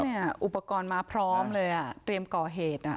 ใช่ไหมอ่ะอุปกรณ์มาพร้อมเลยอ่ะเตรียมก่อเหตุอ่ะ